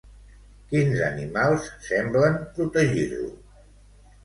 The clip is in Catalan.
Quins animals semblen protegir-lo?